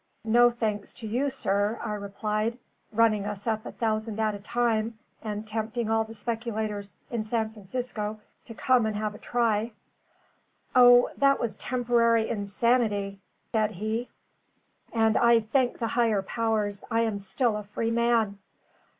"No thanks to you, sir," I replied, "running us up a thousand at a time, and tempting all the speculators in San Francisco to come and have a try." "O, that was temporary insanity," said he; "and I thank the higher powers I am still a free man.